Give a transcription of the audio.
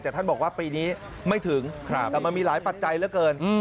แต่ท่านบอกว่าปีนี้ไม่ถึงแต่มันมีหลายปัจจัยเหลือเกิน